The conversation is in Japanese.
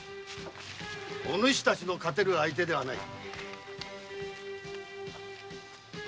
お主たちの勝てる相手ではない。